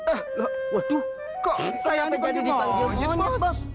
eh waduh kok saya yang dipanggil monyet bos